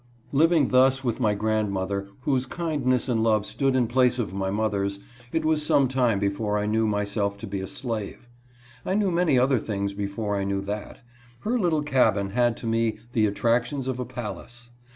LIVING thus with my grandmother, whose kindness and love stood in place of my mother's, it was some , time before I knew myself to be a slave. I knew many other things before I knew that. Her little cabin had to me the attractions of a palace.